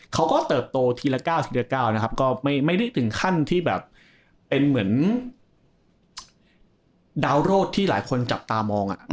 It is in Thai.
เขาก็เติบโตทีละก้าวไม่ได้ถึงขั้นที่เหมือนดาวน์โรดที่หลายคนจับตามอง